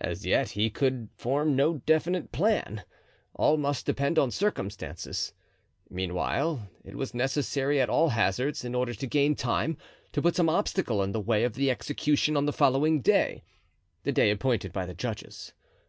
As yet he could form no definite plan; all must depend on circumstances. Meanwhile, it was necessary at all hazards, in order to gain time, to put some obstacle in the way of the execution on the following day—the day appointed by the judges.